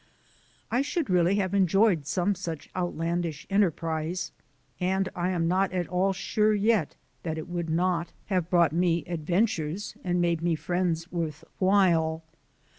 I should really have enjoyed some such outlandish enterprise, and I am not at all sure yet that it would not have brought me adventures and made me friends worth while.